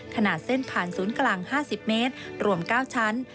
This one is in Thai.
ขนาดเส้นผ่านศูนย์กลาง๕๐เมตรรวม๙ชั้น